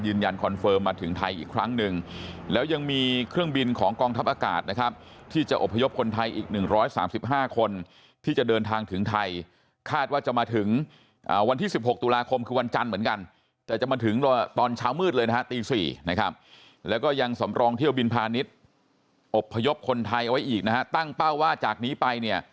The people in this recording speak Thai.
คอนเฟิร์มมาถึงไทยอีกครั้งหนึ่งแล้วยังมีเครื่องบินของกองทัพอากาศนะครับที่จะอบพยพคนไทยอีก๑๓๕คนที่จะเดินทางถึงไทยคาดว่าจะมาถึงวันที่๑๖ตุลาคมคือวันจันทร์เหมือนกันแต่จะมาถึงตอนเช้ามืดเลยนะฮะตี๔นะครับแล้วก็ยังสำรองเที่ยวบินพาณิชย์อบพยพคนไทยเอาไว้อีกนะฮะตั้งเป้าว่าจากนี้ไปเนี่ย